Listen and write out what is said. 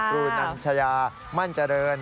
ครูนันชายามั่นเจริญ